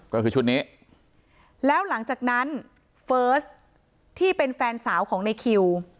ก็คือชุดนี้แล้วหลังจากนั้นเฟิร์สที่เป็นแฟนสาวของในคิว